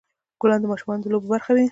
ګلان د ماشومان د لوبو برخه وي.